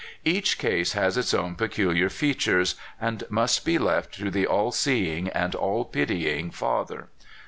Each case has its own peculiar features, and must be left to the all seeing and all pitying Father.